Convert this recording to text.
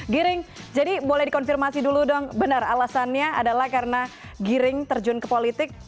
giring jadi boleh dikonfirmasi dulu dong benar alasannya adalah karena giring terjun ke politik